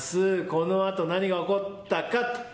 このあと、何が起こったかと。